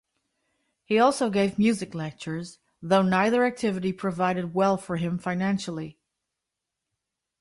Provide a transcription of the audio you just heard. He also gave music lectures, though neither activity provided well for him financially.